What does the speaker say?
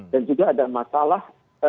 dan juga ada masalah